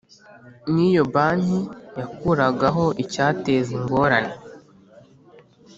N iyo banki yakuraho icyateza ingorane